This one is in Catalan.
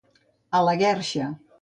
A la guerxa.